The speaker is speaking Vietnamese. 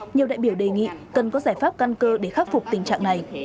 nhiều đại biểu đề nghị cần có giải pháp căn cơ để khắc phục tình trạng này